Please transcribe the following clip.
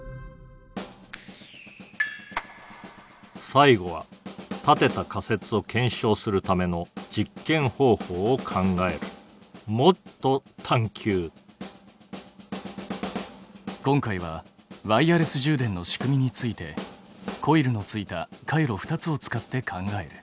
最後は立てた仮説を検証するための実験方法を考える今回はワイヤレス充電の仕組みについてコイルのついた回路２つを使って考える。